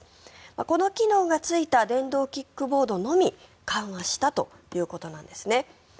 この機能がついた電動キックボードのみ緩和したということなんですね。